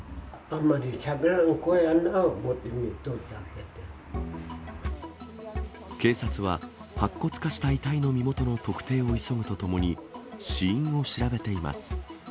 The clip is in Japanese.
あんまりしゃべらん子やな思って、警察は、白骨化した遺体の身元の特定を急ぐとともに、死因を調べています。